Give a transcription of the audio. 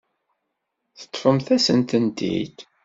Teṭṭfemt-asent-tent-id.